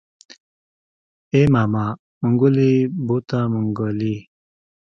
ای ماما منګلی يې بوته منګلی.